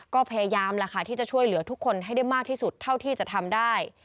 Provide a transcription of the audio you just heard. ก็พยายามแหละค่ะที่จะช่วยเหลือทุกคนให้ได้มากที่สุดเท่าที่จะทำได้